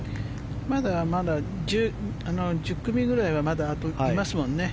まだまだ１０組ぐらいはいますもんね。